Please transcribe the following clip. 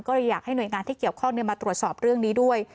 ก็เลยอยากให้หน่วยงานที่เกี่ยวข้องมาตรวจสอบเรื่องนี้ด้วย